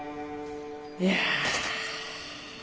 いや。